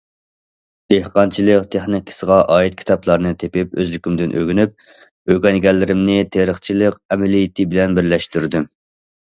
دېھقانچىلىق تېخنىكىسىغا ئائىت كىتابلارنى تېپىپ ئۆزلۈكۈمدىن ئۆگىنىپ، ئۆگەنگەنلىرىمنى تېرىقچىلىق ئەمەلىيىتى بىلەن بىرلەشتۈردۈم.